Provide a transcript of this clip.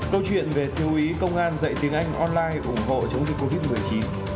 câu chuyện về thiêu ý công an dạy tiếng anh online ủng hộ chống dịch covid một mươi chín